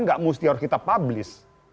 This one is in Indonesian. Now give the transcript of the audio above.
nggak mesti harus kita publis